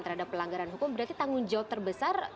terhadap pelanggaran hukum berarti tanggung jawab terbesar